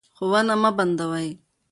ښوونه مه بندوئ.